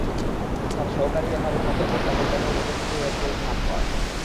অর্থাৎ সহকারী রেফারির মতে, বলটা গোললাইনের ভেতর থেকেই হেড করেছেন আব্বাস।